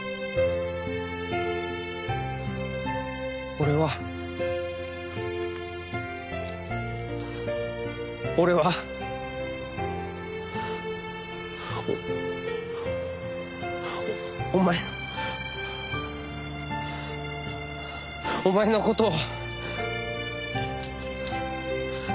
俺は俺はおお前お前のことを。